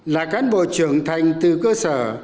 là cán bộ trưởng thành từ cơ sở